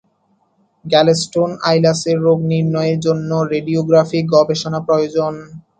গ্যালস্টোন আইলাসের রোগ নির্ণয়ের জন্য রেডিওগ্রাফিক গবেষণা প্রয়োজন।